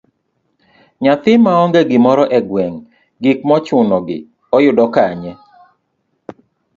Nyathi maonge gimoro e gweng, gik mochuno gi oyudo kanye?